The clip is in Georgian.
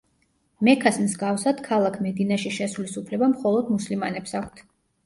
მექას მსგავსად, ქალაქ მედინაში შესვლის უფლება მხოლოდ მუსლიმანებს აქვთ.